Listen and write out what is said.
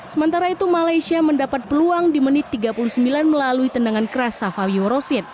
sementara itu malaysia mendapat peluang di menit tiga puluh sembilan melalui tendangan keras safawio rosid